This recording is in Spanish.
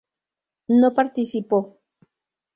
No participó.